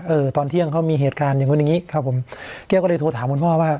ตอนเที่ยงเขามีเหตุการณ์อย่างนู้นอย่างงี้ครับผมแก้วก็เลยโทรถามคุณพ่อว่า